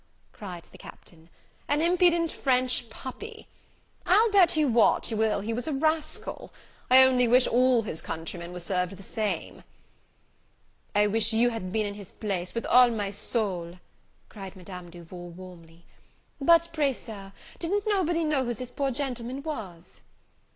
cried the Captain, "an impudent French puppy! I'll bet you what you will he was a rascal. I only wish all his countrymen were served the same." "I wish you had been in his place, with all my soul!" cried Madame Duval, warmly; "but pray, Sir, did'n't nobody know who this poor gentleman was?"